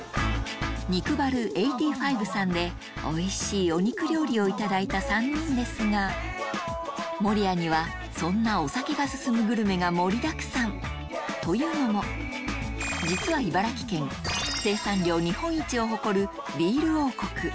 肉ＢＡＲ８５さんでおいしいお肉料理をいただいた３人ですが守谷にはそんなお酒が進むグルメが盛りだくさんというのも実は茨城県ビール王国